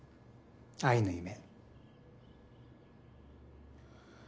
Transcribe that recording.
「愛の夢」。